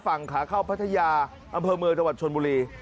ฝั่งขาเข้าพัทยาอำเภอเมืองจังหวัดชนบุรี